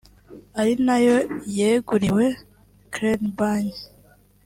ari nayo yeguriwe Crane Bank